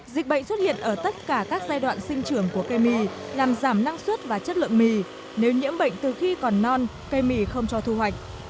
dịch bệnh xuất hiện ở tất cả các giai đoạn sinh trưởng của cây mì làm giảm năng suất và chất lượng mì nếu nhiễm bệnh từ khi còn non cây mì không cho thu hoạch